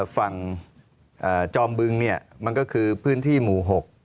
ฝั่งจอมบึงมันก็คือพื้นที่หมู่๖